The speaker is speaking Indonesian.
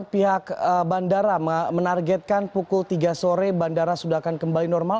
pihak bandara menargetkan pukul tiga sore bandara sudah akan kembali normal